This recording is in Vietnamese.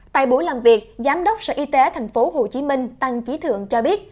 tại buổi làm việc giám đốc sở y tế tp hcm tăng trí thượng cho biết